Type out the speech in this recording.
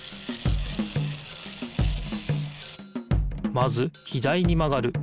まず左にまがる。